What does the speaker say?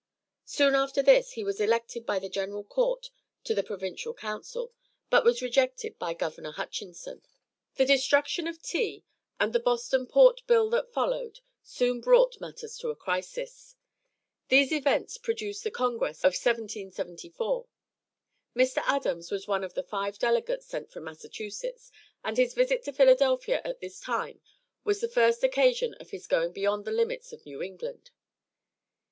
Soon after this he was elected by the general Court to the Provincial Council, but was rejected by Governor Hutchinson. The destruction of tea, and the Boston port bill that followed, soon brought matters to a crisis. These events produced the congress of 1774. Mr. Adams was one of the five delegates sent from Massachusetts, and his visit to Philadelphia at this time was the first occasion of his going beyond the limits of New England.